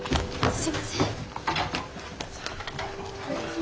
すいません！